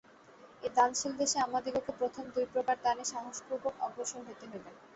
এই দানশীল দেশে আমাদিগকে প্রথম দুই প্রকার দানে সাহসপূর্বক অগ্রসর হইতে হইবে।